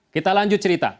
kita lanjut cerita